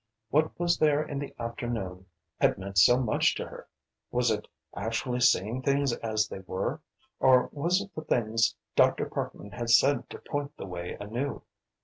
What was there in the afternoon had meant so much to her? Was it actually seeing things as they were, or was it the things Dr. Parkman had said to point the way anew?